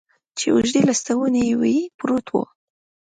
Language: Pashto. چې اوږدې لستوڼي یې وې، پروت و.